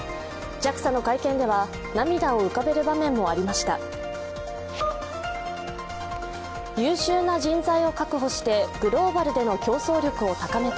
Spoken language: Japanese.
ＪＡＸＡの会見では涙を浮かべる場面もありました。